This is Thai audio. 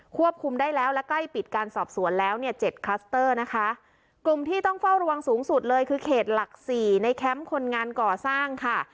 ควบคุมได้แล้วและใกล้ปิดการสอบสวนแล้วเนี่ยเจ็ดคลัสเตอร์นะคะกลุ่มที่ต้องเฝ้าระวังสูงสุดเลยคือเขตหลักสี่ในแคมป์คนงานก่อสร้างค่ะ